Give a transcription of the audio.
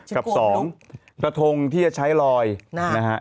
กับ๒กระทงที่จะใช้ลอยนะฮะ